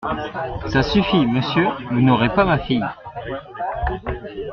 Ça suffit, monsieur… vous n’aurez pas ma fille.